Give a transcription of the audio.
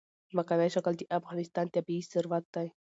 ځمکنی شکل د افغانستان طبعي ثروت دی.